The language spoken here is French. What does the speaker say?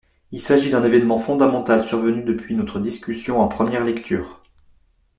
Il s’agit d’un événement fondamental survenu depuis notre discussion en première lecture.